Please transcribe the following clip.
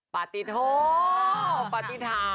ปฏิโธปฏิทาง